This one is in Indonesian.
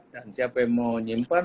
dan siapa yang mau menyimpan